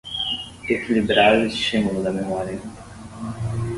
Equilibrar o estímulo da memória